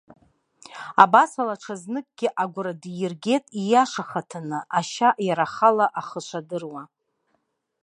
Абасала аҽазныкгьы агәра диргеит ииашахаҭаны ашьа иара ахала ахы шадыруа.